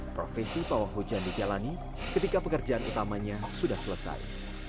profesi pawang hujan dijalani ketika pekerjaan utamanya sudah selesai